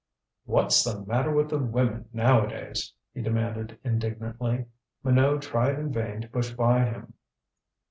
"What's the matter with the women nowadays?" he demanded indignantly. Minot tried in vain to push by him.